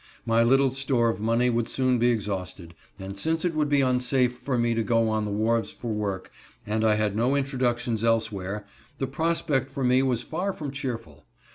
My little store of money would soon be exhausted, and since it would be unsafe for me to go on the wharves for work, and I had no introductions elsewhere, the prospect for me was far from cheerful.